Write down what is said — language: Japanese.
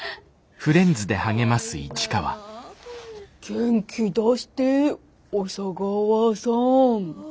元気出して小佐川さん。